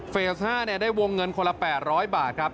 ๕ได้วงเงินคนละ๘๐๐บาทครับ